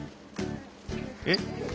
えっ？